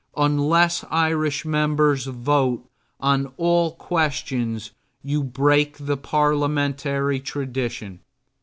Unless Irish members vote on all questions you break the parliamentary tradition.